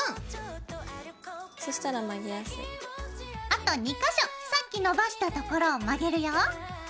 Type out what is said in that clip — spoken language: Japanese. あと２か所さっき伸ばしたところを曲げるよ！